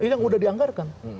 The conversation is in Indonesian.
ini yang udah dianggarkan